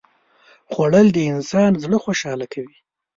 خوړل د انسان زړه خوشاله کوي